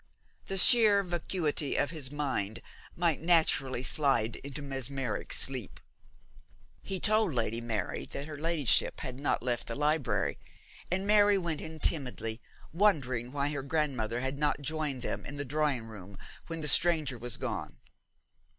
The sheer vacuity of his mind might naturally slide into mesmeric sleep. He told Lady Mary that her ladyship had not left the library, and Mary went in timidly, wondering why her grandmother had not joined them in the drawing room when the stranger was gone.